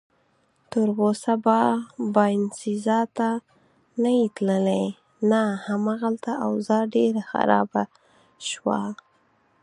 تراوسه به باینسیزا ته نه یې تللی؟ نه، هماغلته اوضاع ډېره خرابه شوه.